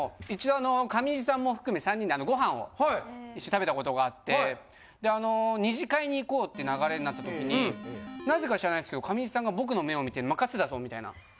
一度上地さんも含め３人でご飯を一緒に食べた事があって二次会に行こうって流れになった時に何故か知らないですけど上地さんが僕の目を見て任せたぞみたいな。